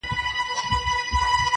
• له پردي جنګه یې ساته زما د خاوري ..